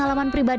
aku akan berubah